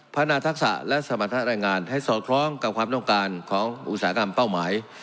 พัฒนาทักษะและสมรรถะแรงงานให้สอดคล้องกับความต้องการของอุตสาหกรรมเป้าหมาย